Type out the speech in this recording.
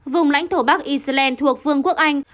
vùng lãnh thổ bắc island thuộc vương quốc anh